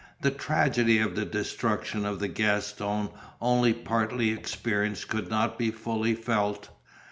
The tragedy of the destruction of the Gaston only partly experienced could not be fully felt.